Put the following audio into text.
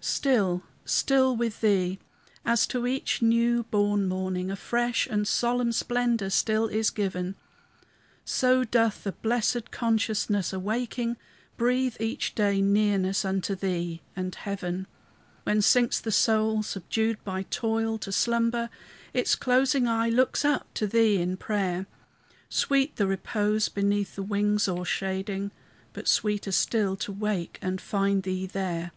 Still, still with Thee! as to each new born morning A fresh and solemn splendor still is given, So doth the blessed consciousness, awaking, Breathe, each day, nearness unto Thee and heaven. When sinks the soul, subdued by toil, to slumber, Its closing eye looks up to Thee in prayer; Sweet the repose beneath the wings o'ershading, But sweeter still to wake and find Thee there.